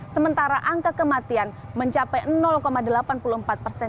sementara angka kematian mencapai delapan puluh empat persen